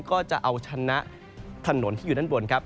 ก็จะเอาชนะถนนที่อยู่ด้านบนครับ